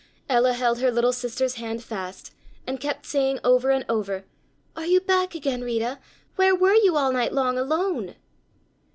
Ella held her little sister's hand fast and kept saying over and over: "Are you back again, Rita? Where were you all night long alone?"